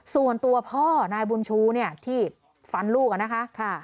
ส่วนตัวพ่อนายบุญชูเนี่ยที่ฟันลูกอะนะคะ